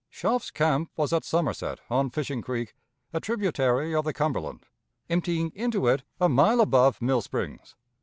Schopf's camp was at Somerset, on Fishing Creek, a tributary of the Cumberland, emptying into it a mile above Mill Springs.